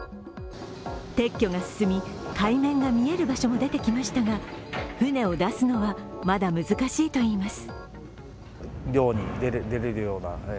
撤去が進み、海面が見える場所も出てきましたが船を出すのはまだ難しいといいます。